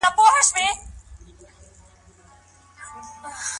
سفیران به د وګړو غوښتنو ته غوږ نیسي.